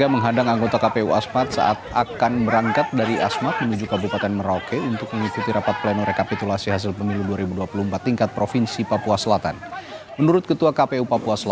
penghadangan dilakukan karena warga tidak terima dengan hasil pleno rekapitulasi tingkat kabupaten